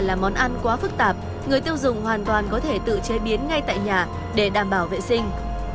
là món ăn quá phức tạp người tiêu dùng hoàn toàn có thể tự chế biến ngay tại nhà để đảm bảo vệ sinh